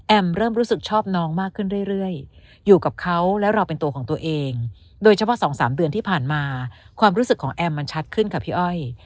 เริ่มรู้สึกชอบน้องมากขึ้นเรื่อยอยู่กับเขาและเราเป็นตัวของตัวเองโดยเฉพาะ๒๓เดือนที่ผ่านมาความรู้สึกของแอมมันชัดขึ้นค่ะพี่อ้อย